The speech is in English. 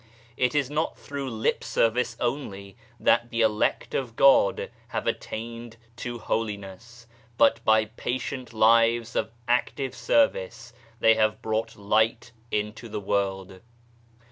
It is not through lip service only that the Elect of God have attained to holiness, but by patient lives of active service they have brought Light into the World.